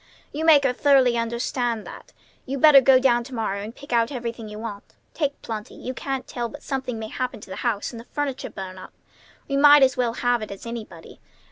You make her thoroughly understand that. You better go down to morrow and pick out everything you want. Take plenty. You can't tell but something may happen to the house, and the furniture burn up. We might as well have it as anybody.